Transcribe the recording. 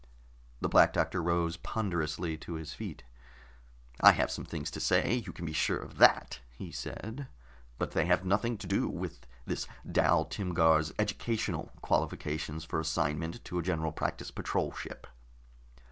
The Black Doctor rose ponderously to his feet. "I have some things to say, you can be sure of that," he said, "but they have nothing to do with this Dal Timgar's educational qualifications for assignment to a General Practice Patrol ship."